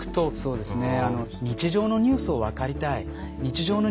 そうですね。